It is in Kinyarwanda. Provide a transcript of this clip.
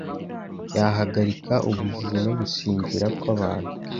yahagarika ubujiji no gusigingira kw’abantu